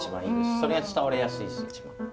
それが伝わりやすいです。